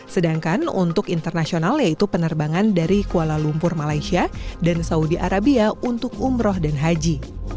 sedangkan untuk internasional yaitu penerbangan dari kuala lumpur malaysia dan saudi arabia untuk umroh dan haji